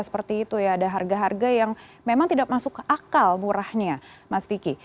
seperti itu ya ada harga harga yang memang tidak masuk akal murahnya mas vicky